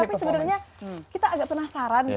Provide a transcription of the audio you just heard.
tapi sebenarnya kita agak penasaran